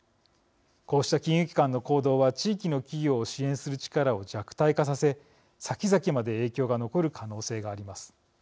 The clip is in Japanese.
こうした金融機関の行動は地域の企業を支援する力を弱体化させ先々まで影響が残る可能性があります。